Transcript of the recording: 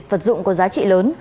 vật dụng có giá trị lớn